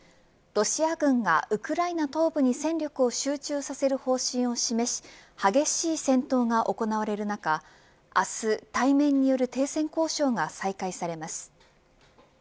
ロシア軍がウクライナ東部に戦力を集中させる方針を示し激しい戦闘が行われる中明日、対面による停戦交渉が再開されます。